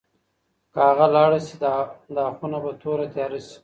که هغه لاړه شي، دا خونه به توره تیاره شي.